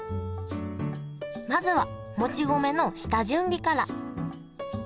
まずはもち米の下準備から。